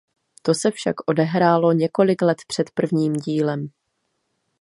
To se však odehrálo několik let před prvním dílem.